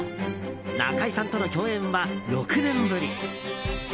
中居さんとの共演は６年ぶり。